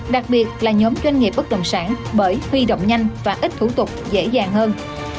đặc biệt là nhóm doanh nghiệp bất động sản bởi huy động nhanh và ít thủ tục dễ dàng hơn